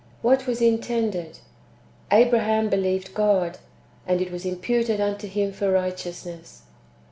^ What is intended ?" Abra ham believed God, and it was imputed unto him for right eousness."